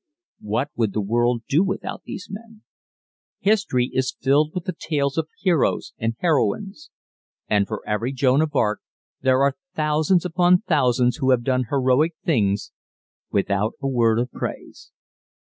What would the world do without these men? History is filled with the tales of heroes and heroines. And for every Joan of Arc there are thousands upon thousands who have done heroic things without a word of praise.